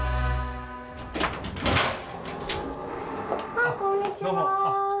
あっこんにちは。